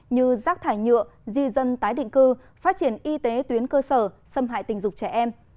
như rác thải nhựa di dân tái định cư phát triển y tế tuyến cơ sở xâm hại tình dục trẻ em